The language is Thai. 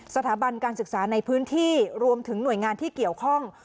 สถาบันการศึกษาในพื้นที่รวมถึงหน่วยงานที่เกี่ยวข้อง